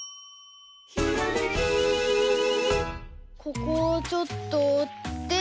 ここをちょっとおって。